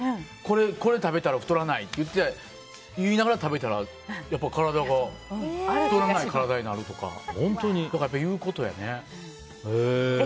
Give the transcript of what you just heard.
これ食べたら太らないって言いながら食べたら体が太らない体になるというか。